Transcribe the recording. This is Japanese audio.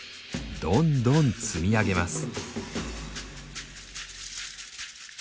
どんどん積み上げます。